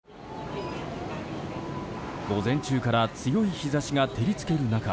午前中から強い日差しが照り付ける中